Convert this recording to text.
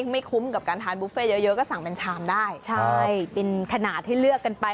ไม่คุ้มกับการทานบุฟเฟ่เยอะเยอะก็สั่งเป็นชามได้ใช่เป็นขนาดให้เลือกกันไป